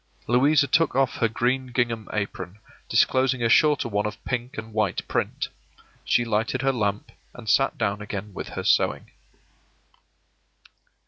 Louisa took off her green gingham apron, disclosing a shorter one of pink and white print. She lighted her lamp, and sat down again with her sewing.